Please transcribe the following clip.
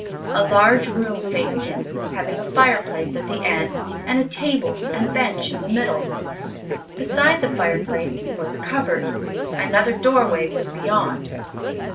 A large room faced him, having a fireplace at the end and a table and bench in the middle. Beside the fireplace was a cupboard. Another doorway was beyond.